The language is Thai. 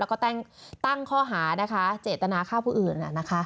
แล้วก็ตั้งข้อหานะคะเจตนาฆ่าผู้อื่น